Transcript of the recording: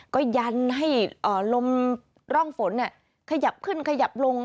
ก็ยันให้ลมร่องฝนขยับขึ้นขยับลง